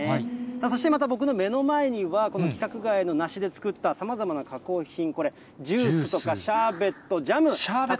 そしてまた僕の目の前には、この規格外の梨で作った、さまざまな加工品、ジュースとかシャーベット、ジャム。